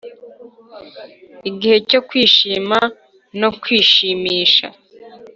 igihe cyo kwishima no kwishimisha.